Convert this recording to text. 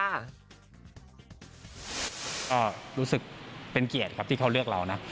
ก็รู้สึกเป็นเกียรติครับที่เขาเลือกเรานะ